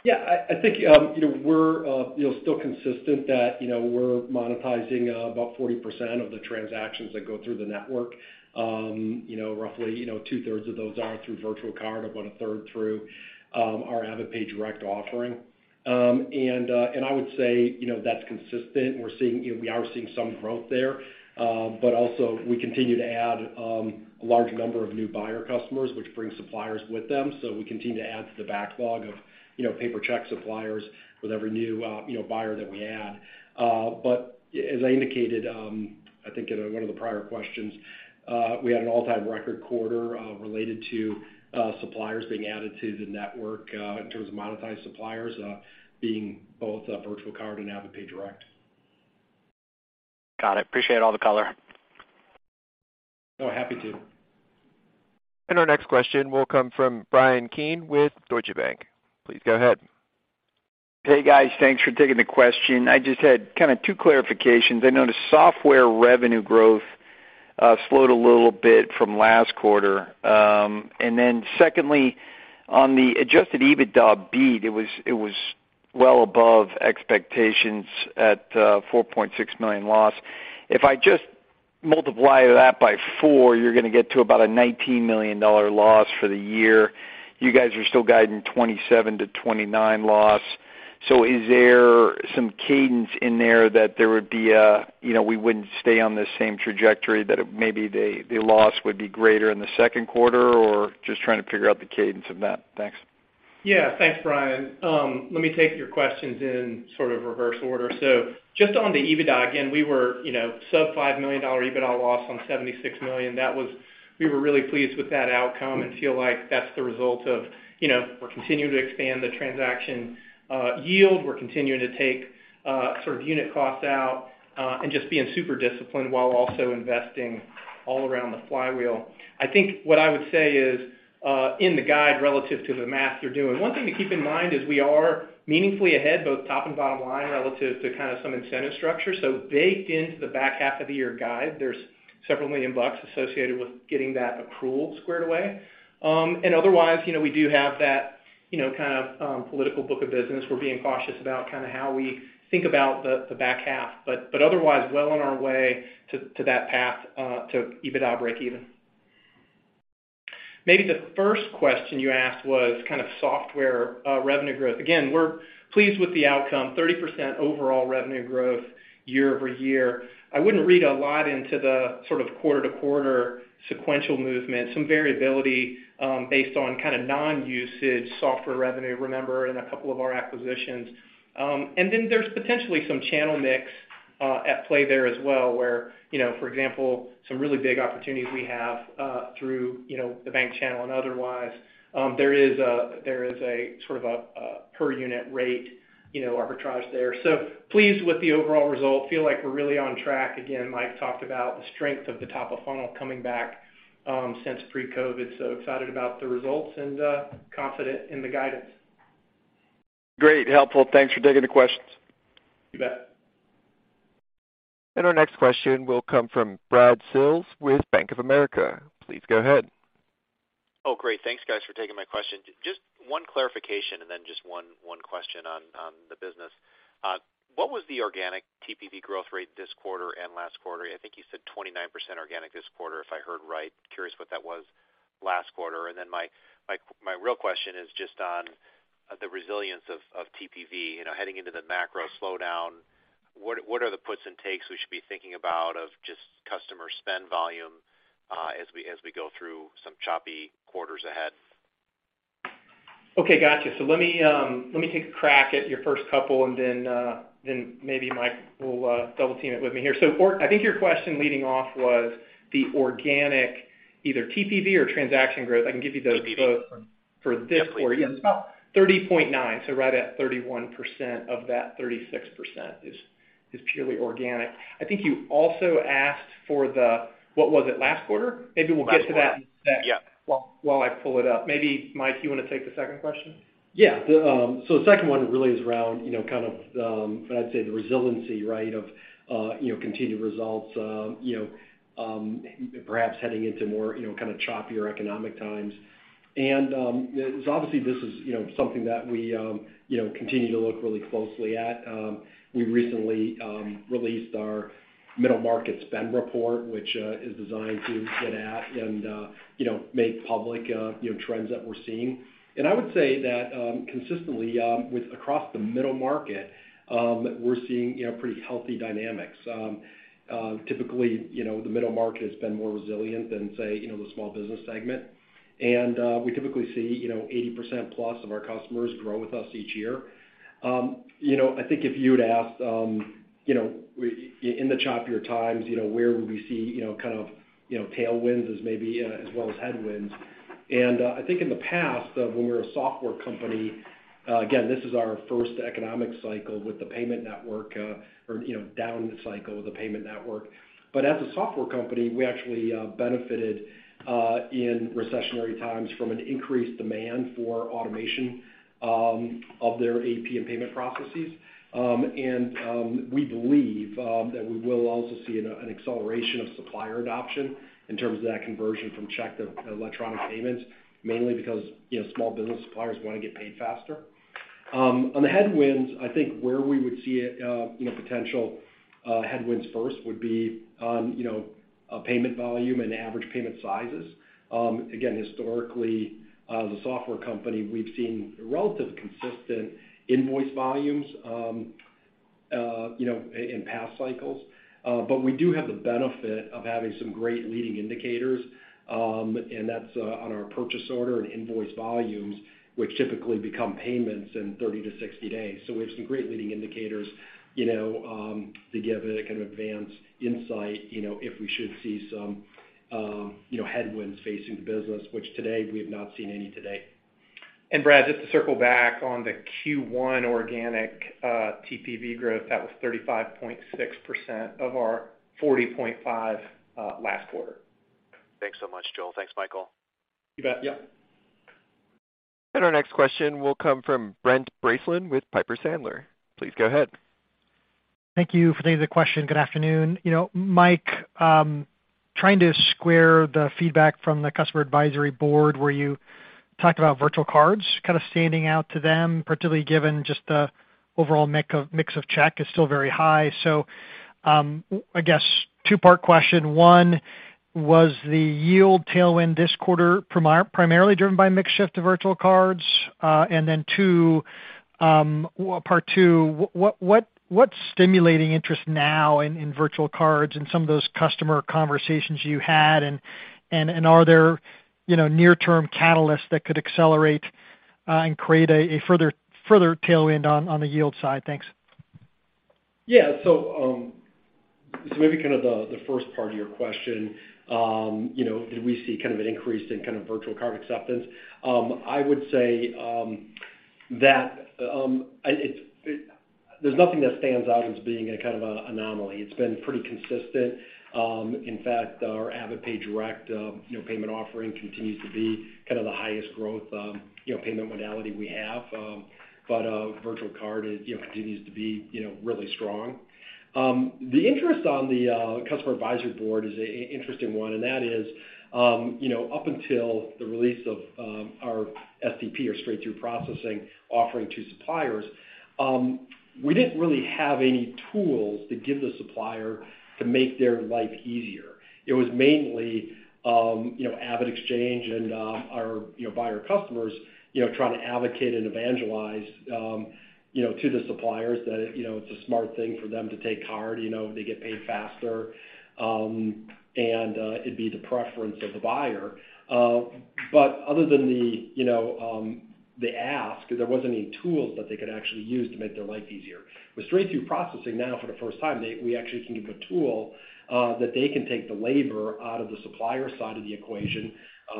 [SPEAKER 2] Yeah, I think you know, we're still consistent that you know, we're monetizing about 40% of the transactions that go through the network. You know, roughly, you know, 2/3 of those are through virtual card, about 1/3 through our AvidPay Direct offering. And I would say you know, that's consistent. We're seeing. You know, we are seeing some growth there, but also we continue to add a large number of new buyer customers, which brings suppliers with them. We continue to add to the backlog of you know, paper check suppliers with every new you know, buyer that we add. As I indicated, I think in one of the prior questions, we had an all-time record quarter related to suppliers being added to the network in terms of monetized suppliers being both virtual card and AvidPay Direct.
[SPEAKER 7] Got it. Appreciate all the color.
[SPEAKER 2] Oh, happy to.
[SPEAKER 1] Our next question will come from Bryan Keane with Deutsche Bank. Please go ahead.
[SPEAKER 8] Hey, guys. Thanks for taking the question. I just had kinda two clarifications. I noticed software revenue growth slowed a little bit from last quarter. Secondly, on the adjusted EBITDA beat, it was well above expectations at $4.6 million loss. If I just multiply that by four, you're gonna get to about a $19 million loss for the year. You guys are still guiding $27 million-$29 million loss. Is there some cadence in there that there would be a, you know, we wouldn't stay on the same trajectory, that it maybe the loss would be greater in the second quarter, or just trying to figure out the cadence of that. Thanks.
[SPEAKER 3] Yeah. Thanks, Bryan. Let me take your questions in sort of reverse order. Just on the EBITDA, again, we were, you know, sub $5 million EBITDA loss on $76 million. That was. We were really pleased with that outcome and feel like that's the result of, you know, we're continuing to expand the transaction yield, we're continuing to take sort of unit costs out, and just being super disciplined while also investing all around the flywheel. I think what I would say is, in the guide relative to the math you're doing, one thing to keep in mind is we are meaningfully ahead, both top and bottom line, relative to kind of some incentive structure. Baked into the back half of the year guide, there's several million bucks associated with getting that accrual squared away. Otherwise, you know, we do have that, you know, kind of political book of business. We're being cautious about kinda how we think about the back half, but otherwise, well on our way to that path to EBITDA breakeven. Maybe the first question you asked was kind of software revenue growth. Again, we're pleased with the outcome, 30% overall revenue growth year-over-year. I wouldn't read a lot into the sort of quarter-to-quarter sequential movement. Some variability, based on kinda non-usage software revenue, remember, in a couple of our acquisitions. Then there's potentially some channel mix at play there as well, where, you know, for example, some really big opportunities we have through, you know, the bank channel and otherwise. There is a sort of a per unit rate, you know, arbitrage there. Pleased with the overall result. Feel like we're really on track. Again, Mike talked about the strength of the top of funnel coming back since pre-COVID, so excited about the results and confident in the guidance.
[SPEAKER 8] Great. Helpful. Thanks for taking the questions.
[SPEAKER 2] You bet.
[SPEAKER 1] Our next question will come from Brad Sills with Bank of America. Please go ahead.
[SPEAKER 9] Oh, great. Thanks, guys, for taking my question. Just one clarification and then just one question on the business. What was the organic TPV growth rate this quarter and last quarter? I think you said 29% organic this quarter, if I heard right. Curious what that was last quarter. My real question is just on the resilience of TPV. You know, heading into the macro slowdown, what are the puts and takes we should be thinking about of just customer spend volume, as we go through some choppy quarters ahead?
[SPEAKER 3] Okay, gotcha. Let me take a crack at your first couple and then maybe Mike will double-team it with me here. I think your question leading off was the organic, either TPV or transaction growth. I can give you those both for this quarter. Yeah, it's about 30.9%, so right at 31% of that 36% is purely organic. I think you also asked for the what was it? Last quarter? Maybe we'll get to that next while I pull it up. Maybe, Mike, you wanna take the second question?
[SPEAKER 2] Yeah. The second one really is around, you know, kind of, I'd say the resiliency, right, of, you know, continued results, you know, perhaps heading into more, you know, kind of choppier economic times. It's obviously this is, you know, something that we, you know, continue to look really closely at. We recently released our Middle Market Spend Report, which is designed to get at and, you know, make public, you know, trends that we're seeing. I would say that, consistently with across the middle market, we're seeing, you know, pretty healthy dynamics. Typically, you know, the middle market has been more resilient than, say, you know, the small business segment. We typically see, you know, 80% plus of our customers grow with us each year. You know, I think if you'd asked, you know, in the choppier times, you know, where would we see, you know, kind of, you know, tailwinds as maybe, as well as headwinds. I think in the past, when we were a software company, again, this is our first economic cycle with the payment network, or, you know, down cycle with the payment network. As a software company, we actually benefited in recessionary times from an increased demand for automation of their AP and payment processes. We believe that we will also see an acceleration of supplier adoption in terms of that conversion from check to electronic payments, mainly because, you know, small business suppliers wanna get paid faster. On the headwinds, I think where we would see it, you know, potential headwinds first would be on, you know, payment volume and average payment sizes. Again, historically, as a software company, we've seen relatively consistent invoice volumes, you know, in past cycles. But we do have the benefit of having some great leading indicators, and that's on our purchase order and invoice volumes, which typically become payments in 30-60 days. We have some great leading indicators, you know, to give it a kind of advanced insight, you know, if we should see some, you know, headwinds facing the business, which today we have not seen any.
[SPEAKER 3] Brad, just to circle back on the Q1 organic TPV growth, that was 35.6% of our 40.5% last quarter.
[SPEAKER 9] Thanks so much, Joel. Thanks, Michael.
[SPEAKER 3] You bet. Yep.
[SPEAKER 1] Our next question will come from Brent Bracelin with Piper Sandler. Please go ahead.
[SPEAKER 10] Thank you for taking the question. Good afternoon. You know, Mike, trying to square the feedback from the customer advisory board where you talked about virtual cards kind of standing out to them, particularly given just the overall mix of checks is still very high. I guess two-part question. One, was the yield tailwind this quarter primarily driven by mix shift to virtual cards? Two, part two, what's stimulating interest now in virtual cards and some of those customer conversations you had and are there, you know, near-term catalysts that could accelerate and create a further tailwind on the yield side? Thanks.
[SPEAKER 2] Yeah. Maybe kind of the first part of your question, you know, did we see kind of an increase in kind of virtual card acceptance? I would say that there's nothing that stands out as being kind of an anomaly. It's been pretty consistent. In fact, our AvidPay Direct payment offering continues to be kind of the highest growth payment modality we have. But virtual card, it you know continues to be you know really strong. The interest in the customer advisory board is an interesting one, and that is, you know, up until the release of our STP or Straight Through Processing offering to suppliers, we didn't really have any tools to give the supplier to make their life easier. It was mainly, you know, AvidXchange and, you know, our, you know, buyer customers, you know, trying to advocate and evangelize, you know, to the suppliers that it, you know, it's a smart thing for them to take card, you know, they get paid faster, and it'd be the preference of the buyer. Other than the, you know, the ask, there wasn't any tools that they could actually use to make their life easier. With Straight Through Processing now for the first time, we actually can give a tool that they can take the labor out of the supplier side of the equation.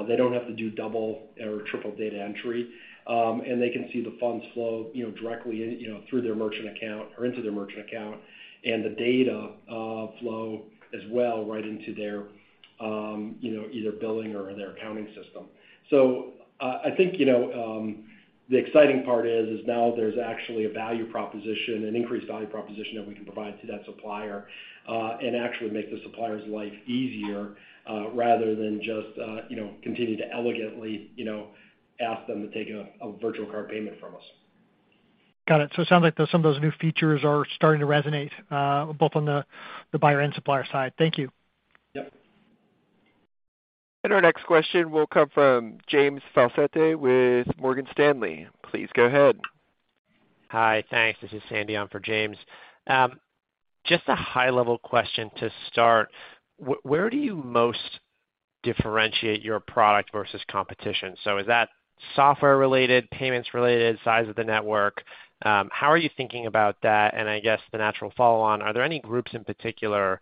[SPEAKER 2] They don't have to do double or triple data entry, and they can see the funds flow, you know, directly in, you know, through their merchant account or into their merchant account, and the data flow as well right into their, you know, either billing or their accounting system. I think, you know, the exciting part is now there's actually a value proposition, an increased value proposition that we can provide to that supplier, and actually make the supplier's life easier, rather than just, you know, continue to elegantly, you know, ask them to take a virtual card payment from us.
[SPEAKER 10] Got it. Some of those new features are starting to resonate both on the buyer and supplier side. Thank you.
[SPEAKER 2] Yep.
[SPEAKER 1] Our next question will come from James Faucette with Morgan Stanley. Please go ahead.
[SPEAKER 11] Hi, thanks. This is Sanjit on for James. Just a high-level question to start. Where do you most differentiate your product versus competition? So is that software related, payments related, size of the network? How are you thinking about that? I guess the natural follow-on, are there any groups in particular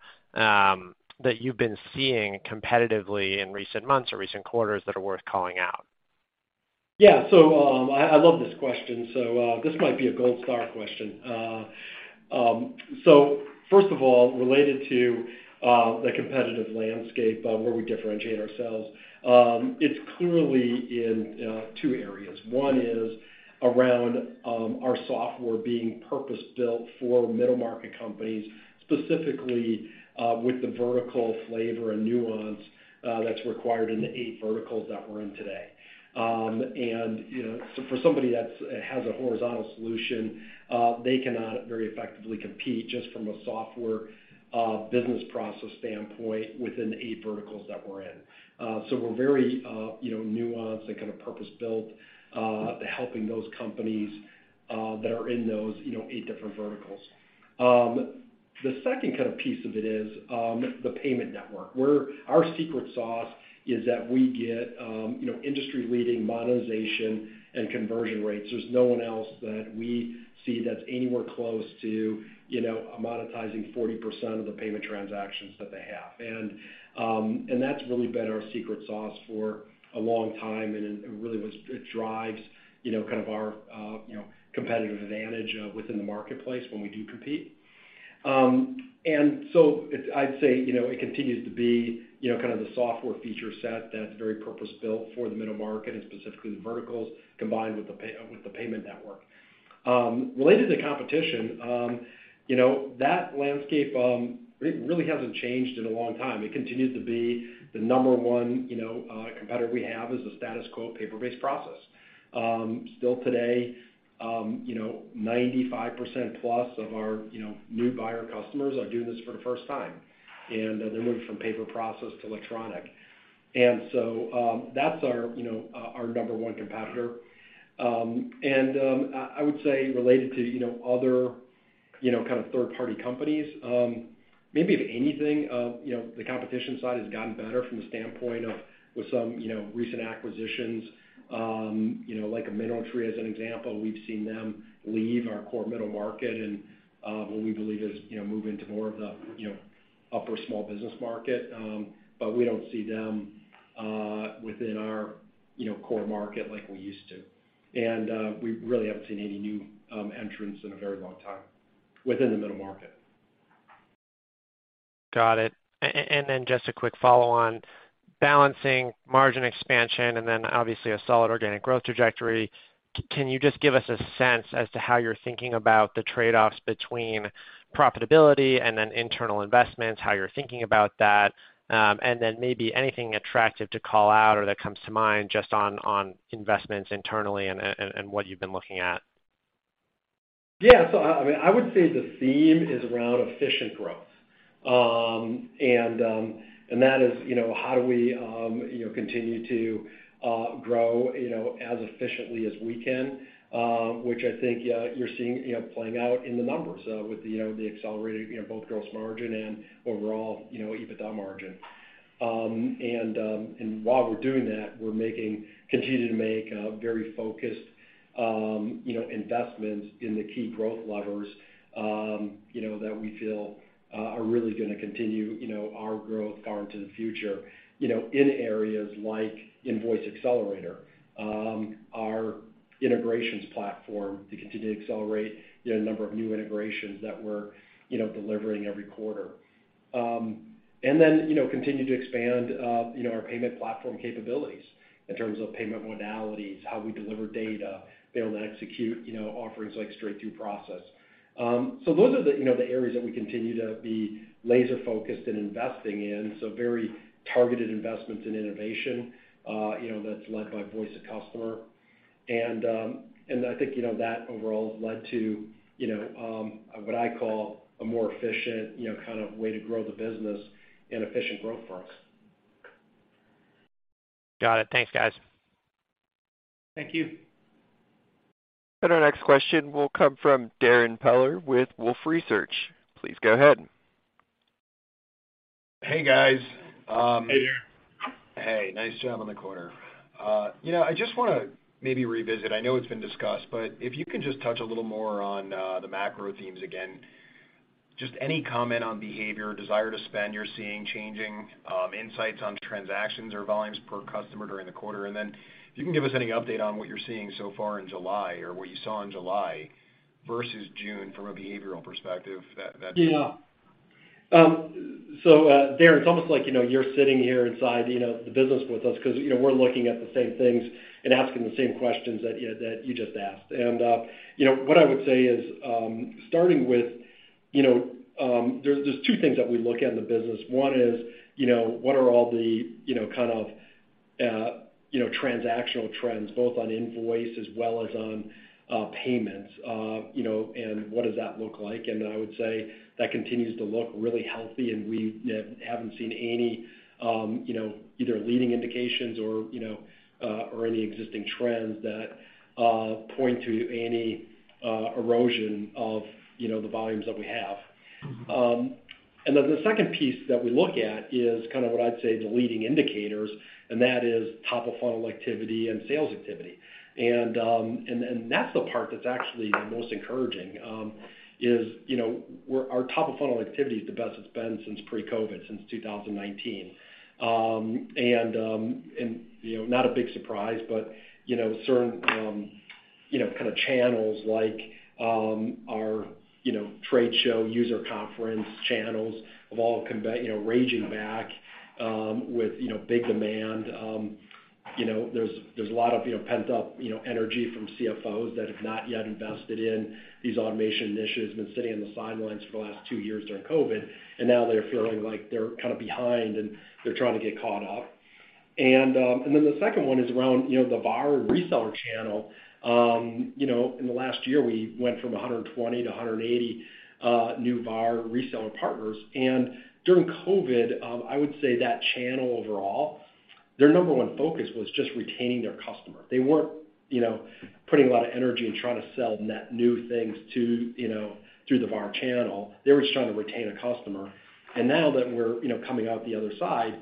[SPEAKER 11] that you've been seeing competitively in recent months or recent quarters that are worth calling out?
[SPEAKER 2] Yeah. I love this question, so this might be a gold star question. First of all, related to the competitive landscape, where we differentiate ourselves, it's clearly in two areas. One is around our software being purpose-built for middle market companies, specifically with the vertical flavor and nuance that's required in the eight verticals that we're in today. You know, for somebody that has a horizontal solution, they cannot very effectively compete just from a software business process standpoint within the eight verticals that we're in. We're very, you know, nuanced and kind of purpose-built to helping those companies that are in those, you know, eight different verticals. The second kind of piece of it is the payment network, where our secret sauce is that we get you know, industry-leading monetization and conversion rates. There's no one else that we see that's anywhere close to you know, monetizing 40% of the payment transactions that they have. That's really been our secret sauce for a long time, and it drives you know, kind of our you know, competitive advantage within the marketplace when we do compete. I'd say you know, it continues to be you know, kind of the software feature set that's very purpose-built for the middle market and specifically the verticals combined with the payment network. Related to competition, you know, that landscape really hasn't changed in a long time. It continued to be the number one, you know, competitor we have is the status quo paper-based process. Still today, you know, 95% plus of our, you know, new buyer customers are doing this for the first time, and they're moving from paper process to electronic. That's our, you know, our number one competitor. I would say related to, you know, other, you know, kind of third-party companies, maybe if anything, you know, the competition side has gotten better from the standpoint of with some, you know, recent acquisitions. You know, like a MineralTree as an example, we've seen them leave our core middle market and what we believe is, you know, move into more of the, you know, upper small business market. We don't see them within our, you know, core market like we used to. We really haven't seen any new entrants in a very long time within the middle market.
[SPEAKER 11] Got it. Just a quick follow-up on balancing margin expansion and then obviously a solid organic growth trajectory. Can you just give us a sense as to how you're thinking about the trade-offs between profitability and then internal investments, how you're thinking about that? Maybe anything attractive to call out or that comes to mind just on investments internally and what you've been looking at?
[SPEAKER 2] Yeah. I mean, I would say the theme is around efficient growth. That is, you know, how do we, you know, continue to grow, you know, as efficiently as we can, which I think, yeah, you're seeing, you know, playing out in the numbers, with the, you know, the accelerated, you know, both gross margin and overall, you know, EBITDA margin. While we're doing that, we're continuing to make very focused, you know, investments in the key growth levers, you know, that we feel are really gonna continue, you know, our growth going into the future, you know, in areas like Invoice Accelerator, our integrations platform to continue to accelerate, you know, a number of new integrations that we're, you know, delivering every quarter. You know, continue to expand, you know, our payment platform capabilities in terms of payment modalities, how we deliver data, be able to execute, you know, offerings like straight-through processing. Those are, you know, the areas that we continue to be laser-focused in investing in, so very targeted investments in innovation, you know, that's led by voice of customer. I think, you know, that overall has led to, you know, what I call a more efficient, you know, kind of way to grow the business and efficient growth for us.
[SPEAKER 11] Got it. Thanks, guys.
[SPEAKER 2] Thank you.
[SPEAKER 1] Our next question will come from Darrin Peller with Wolfe Research. Please go ahead.
[SPEAKER 12] Hey, guys.
[SPEAKER 2] Hey, Darrin.
[SPEAKER 12] Hey, nice job on the quarter. You know, I just wanna maybe revisit. I know it's been discussed, but if you can just touch a little more on the macro themes again. Just any comment on behavior, desire to spend you're seeing changing, insights on transactions or volumes per customer during the quarter. Then if you can give us any update on what you're seeing so far in July or what you saw in July versus June from a behavioral perspective, that'd be.
[SPEAKER 2] Yeah. So, Darrin, it's almost like, you know, you're sitting here inside, you know, the business with us 'cause, you know, we're looking at the same things and asking the same questions that you just asked. You know, what I would say is, starting with, you know, there's two things that we look at in the business. One is, you know, what are all the, you know, kind of, you know, transactional trends, both on invoice as well as on, payments? You know, and what does that look like? I would say that continues to look really healthy, and we haven't seen any, you know, either leading indications or, you know, or any existing trends that, point to any, erosion of, you know, the volumes that we have.
[SPEAKER 12] Mm-hmm.
[SPEAKER 2] Then the second piece that we look at is kind of what I'd say the leading indicators, and that is top of funnel activity and sales activity. That's the part that's actually been most encouraging, you know, where our top of funnel activity is the best it's been since pre-COVID, since 2019. You know, not a big surprise, but you know, certain you know, kind of channels like our you know, trade show, user conference channels have all come back, you know, raging back with you know, big demand. You know, there's a lot of pent-up energy from CFOs that have not yet invested in these automation initiatives, been sitting on the sidelines for the last two years during COVID, and now they're feeling like they're kind of behind, and they're trying to get caught up. Then the second one is around you know the VAR and reseller channel. You know, in the last year, we went from 120 to 180 new VAR reseller partners. During COVID, I would say that channel overall, their number one focus was just retaining their customer. They weren't you know putting a lot of energy in trying to sell net new things to you know through the VAR channel. They were just trying to retain a customer. Now that we're, you know, coming out the other side,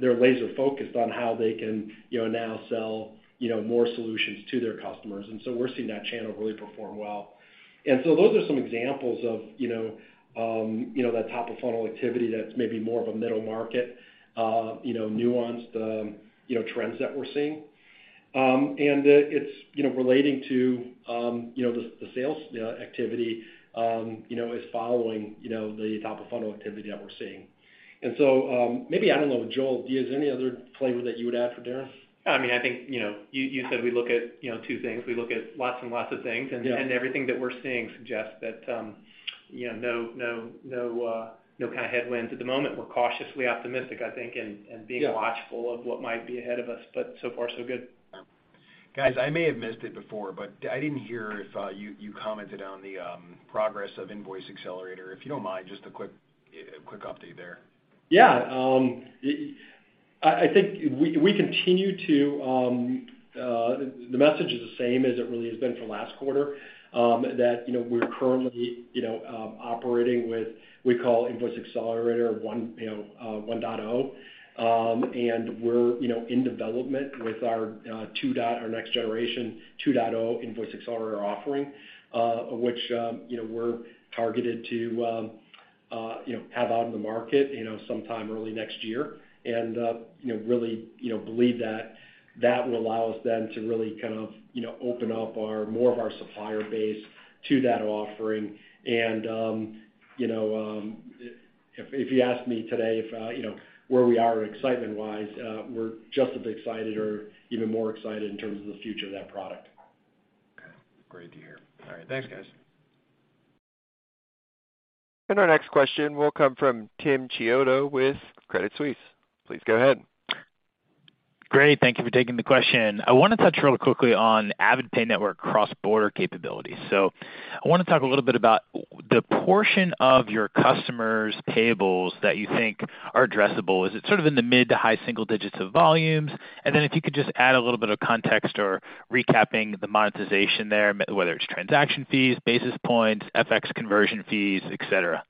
[SPEAKER 2] they're laser-focused on how they can, you know, now sell, you know, more solutions to their customers. We're seeing that channel really perform well. Those are some examples of, you know, that top of funnel activity that's maybe more of a middle market, you know, nuanced, trends that we're seeing. It's, you know, relating to, you know, the sales, yeah, activity, you know, is following, you know, the top of funnel activity that we're seeing. Maybe, I don't know, Joel, do you have any other flavor that you would add for Darrin?
[SPEAKER 3] I mean, I think, you know, you said we look at, you know, two things. We look at lots and lots of things.
[SPEAKER 2] Yeah.
[SPEAKER 3] Everything that we're seeing suggests that, you know, no kind of headwinds at the moment. We're cautiously optimistic, I think.
[SPEAKER 2] Yeah
[SPEAKER 3] Being watchful of what might be ahead of us, but so far so good.
[SPEAKER 12] Guys, I may have missed it before, but I didn't hear if you commented on the progress of Invoice Accelerator. If you don't mind, just a quick update there.
[SPEAKER 2] Yeah. I think we continue to. The message is the same as it really has been for last quarter, that you know, we're currently you know operating with we call Invoice Accelerator 1.0. We're you know in development with our 2.0, our next generation 2.0 Invoice Accelerator offering, which you know we're targeted to you know have out in the market you know sometime early next year. You know really you know believe that that will allow us then to really kind of you know open up more of our supplier base to that offering. You know, if you ask me today if you know where we are excitement-wise, we're just as excited or even more excited in terms of the future of that product.
[SPEAKER 12] Okay. Great to hear. All right. Thanks, guys.
[SPEAKER 1] Our next question will come from Tim Chiodo with Credit Suisse. Please go ahead.
[SPEAKER 13] Great. Thank you for taking the question. I wanna touch real quickly on AvidPay Network cross-border capabilities. I wanna talk a little bit about the portion of your customers' payables that you think are addressable. Is it sort of in the mid to high single digits of volumes? And then if you could just add a little bit of context or recapping the monetization there, whether it's transaction fees, basis points, FX conversion fees, et cetera.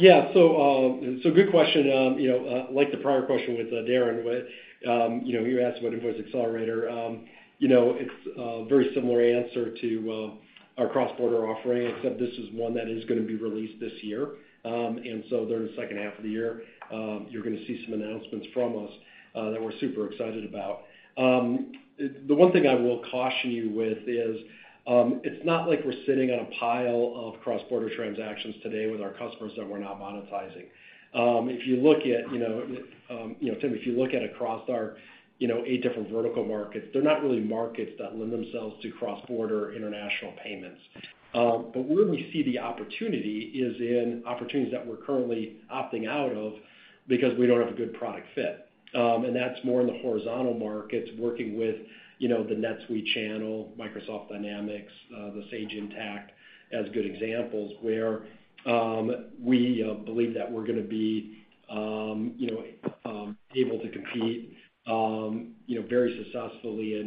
[SPEAKER 2] Good question. Like the prior question with Darrin, you know, you asked about Invoice Accelerator. It's a very similar answer to our cross-border offering, except this is one that is gonna be released this year. During the second half of the year, you're gonna see some announcements from us that we're super excited about. The one thing I will caution you with is it's not like we're sitting on a pile of cross-border transactions today with our customers that we're not monetizing. If you look at, Tim, across our eight different vertical markets, they're not really markets that lend themselves to cross-border international payments. Where we see the opportunity is in opportunities that we're currently opting out of because we don't have a good product fit. That's more in the horizontal markets working with, you know, the NetSuite channel, Microsoft Dynamics, the Sage Intacct, as good examples, where we believe that we're gonna be, you know, able to compete, you know, very successfully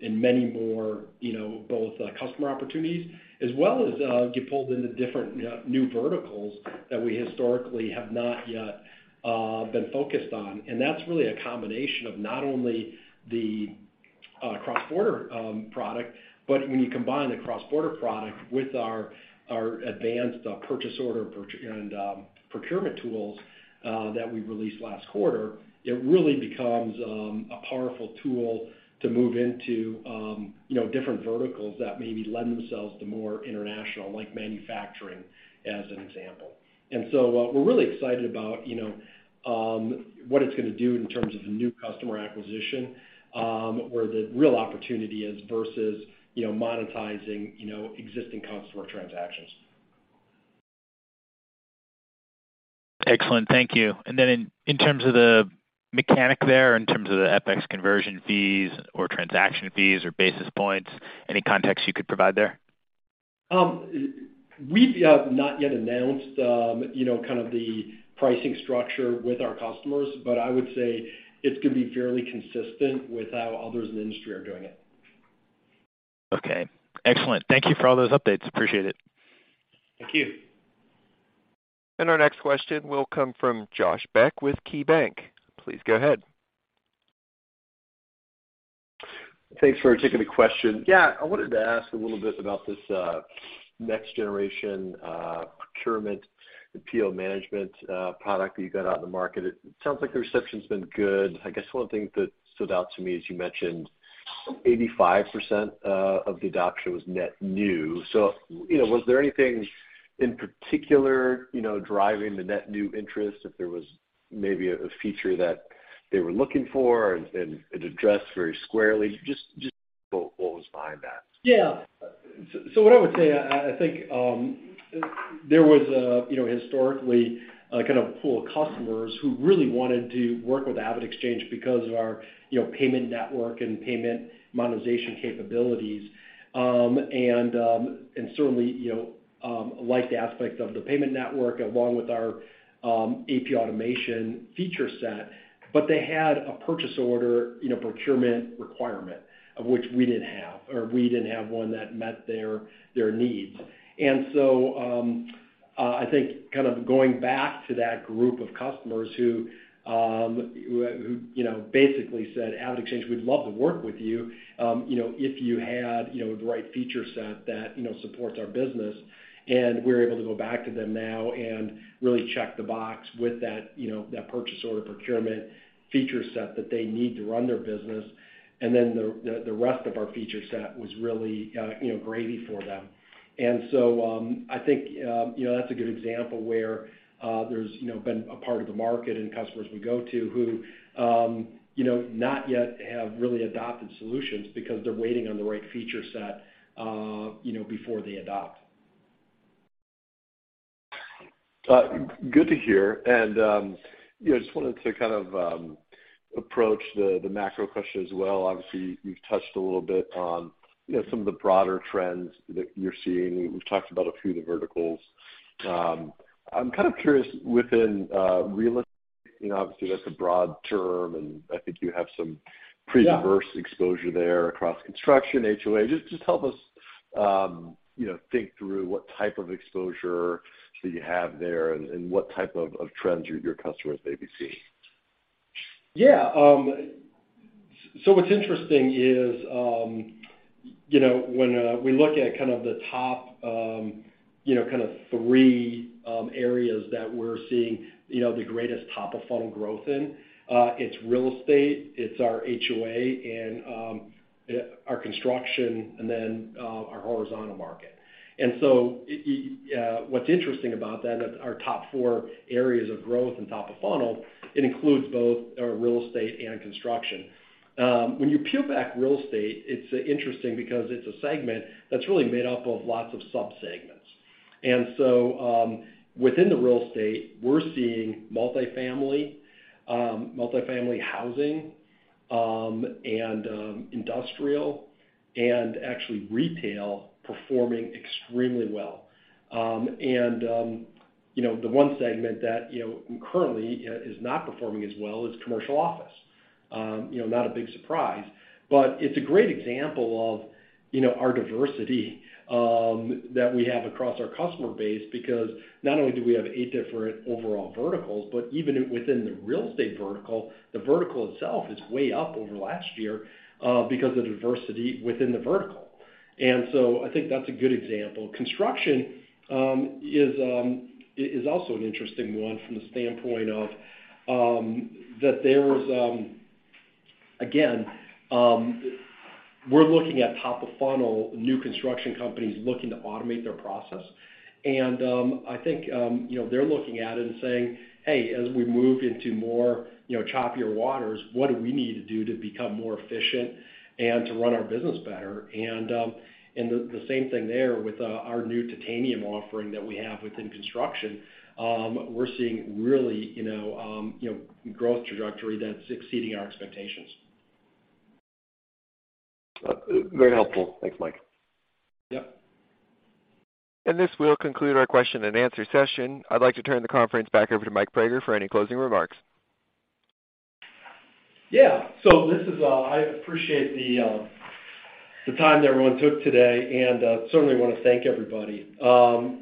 [SPEAKER 2] in many more, you know, both customer opportunities, as well as get pulled into different new verticals that we historically have not yet been focused on. That's really a combination of not only the cross-border product, but when you combine the cross-border product with our advanced purchase order and procurement tools that we released last quarter, it really becomes a powerful tool to move into you know different verticals that maybe lend themselves to more international, like manufacturing, as an example. We're really excited about you know what it's gonna do in terms of the new customer acquisition, where the real opportunity is versus you know monetizing existing customer transactions.
[SPEAKER 13] Excellent. Thank you. In terms of the mechanic there, in terms of the FX conversion fees or transaction fees or basis points, any context you could provide there?
[SPEAKER 2] We've not yet announced, you know, kind of the pricing structure with our customers, but I would say it's gonna be fairly consistent with how others in the industry are doing it.
[SPEAKER 13] Okay, excellent. Thank you for all those updates. Appreciate it.
[SPEAKER 2] Thank you.
[SPEAKER 1] Our next question will come from Josh Beck with KeyBanc. Please go ahead.
[SPEAKER 14] Thanks for taking the question. Yeah. I wanted to ask a little bit about this next generation procurement and PO management product that you got out in the market. It sounds like the reception's been good. I guess one thing that stood out to me is you mentioned 85% of the adoption was net new. So, you know, was there anything in particular, you know, driving the net new interest, if there was maybe a feature that they were looking for and it addressed very squarely? Just what was behind that?
[SPEAKER 2] Yeah. What I would say, I think, there was, you know, historically a kind of pool of customers who really wanted to work with AvidXchange because of our, you know, payment network and payment monetization capabilities. Certainly, you know, liked the aspect of the payment network along with our AP automation feature set. But they had a purchase order, you know, procurement requirement, of which we didn't have, or we didn't have one that met their needs. I think kind of going back to that group of customers who, you know, basically said, AvidXchange, we'd love to work with you know, if you had, you know, the right feature set that, you know, supports our business. We're able to go back to them now and really check the box with that, you know, that purchase order procurement feature set that they need to run their business. The rest of our feature set was really, you know, gravy for them. I think, you know, that's a good example where, there's, you know, been a part of the market and customers we go to who, you know, not yet have really adopted solutions because they're waiting on the right feature set, you know, before they adopt.
[SPEAKER 14] Good to hear. You know, just wanted to kind of approach the macro question as well. Obviously, you've touched a little bit on, you know, some of the broader trends that you're seeing. We've talked about a few of the verticals. I'm kind of curious within real estate, you know. Obviously that's a broad term, and I think you have some.
[SPEAKER 2] Yeah.
[SPEAKER 14] A pretty diverse exposure there across construction, HOA. Just help us, you know, think through what type of exposure do you have there and what type of trends your customers may be seeing?
[SPEAKER 2] Yeah. So what's interesting is, you know, when we look at kind of the top, you know, kind of three areas that we're seeing, you know, the greatest top of funnel growth in, it's real estate, it's our HOA, and our construction and then our horizontal market. What's interesting about that, our top four areas of growth and top of funnel, it includes both our real estate and construction. When you peel back real estate, it's interesting because it's a segment that's really made up of lots of sub-segments. Within the real estate, we're seeing multifamily housing, and industrial and actually retail performing extremely well. You know, the one segment that you know, currently is not performing as well is commercial office. You know, not a big surprise. It's a great example of, you know, our diversity that we have across our customer base, because not only do we have eight different overall verticals, but even within the real estate vertical, the vertical itself is way up over last year, because of the diversity within the vertical. I think that's a good example. Construction is also an interesting one from the standpoint of that there's. Again, we're looking at top of funnel, new construction companies looking to automate their process. I think, you know, they're looking at it and saying, Hey, as we move into more, you know, choppier waters, what do we need to do to become more efficient and to run our business better? The same thing there with our new Titanium offering that we have within construction. We're seeing really, you know, you know, growth trajectory that's exceeding our expectations.
[SPEAKER 14] Very helpful. Thanks, Mike.
[SPEAKER 2] Yep.
[SPEAKER 1] This will conclude our question and answer session. I'd like to turn the conference back over to Mike Praeger for any closing remarks.
[SPEAKER 2] Yeah. So this is, I appreciate the time that everyone took today and certainly wanna thank everybody.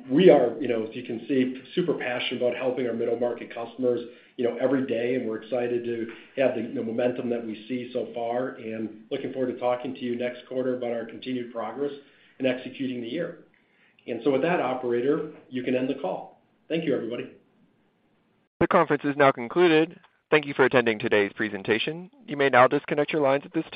[SPEAKER 2] We are, you know, as you can see, super passionate about helping our middle-market customers, you know, every day, and we're excited to have the, you know, momentum that we see so far, and looking forward to talking to you next quarter about our continued progress in executing the year. With that, operator, you can end the call. Thank you, everybody.
[SPEAKER 1] The conference is now concluded. Thank you for attending today's presentation. You may now disconnect your lines at this time.